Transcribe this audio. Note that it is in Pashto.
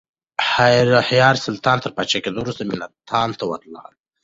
حيار سلطان تر پاچا کېدو وروسته ملتان ته ولاړ.